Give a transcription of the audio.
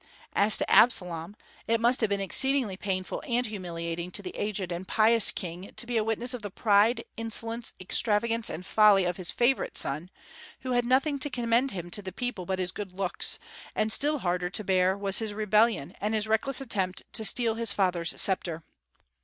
As to Absalom, it must have been exceedingly painful and humiliating to the aged and pious king to be a witness of the pride, insolence, extravagance, and folly of his favorite son, who had nothing to commend him to the people but his good looks; and still harder to bear was his rebellion, and his reckless attempt to steal his father's sceptre.